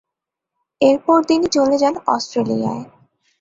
এরপর তিনি চলে যান অস্ট্রেলিয়ায়।